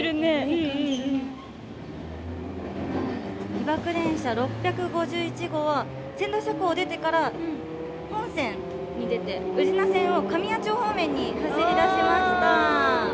被爆電車６５１号は千田車庫を出てから本線に出て宇品線を紙屋町方面に走り出しました。